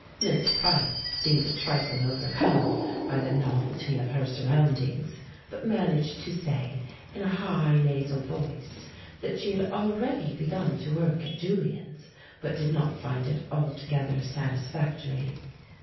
Miss Price seemed a trifle overcome by the novelty of her surroundings, but managed to say, in a high nasal voice, that she had already begun to work at Julian's, but did not find it altogether satisfactory.